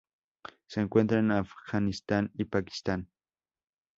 Se encuentra en Afganistán y Pakistán.